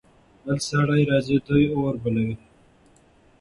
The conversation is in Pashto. بل سړی راځي. دوی اور بلوي.